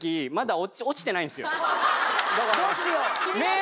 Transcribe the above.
どうしよう？